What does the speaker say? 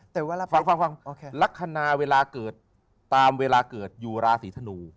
แต่ว่าลักษณะเวลาเกิดตามเวลาเกิดอยู่ราศีธนู